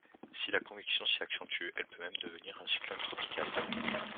Si la convection s'y accentue, elle peut même devenir un cyclone tropical.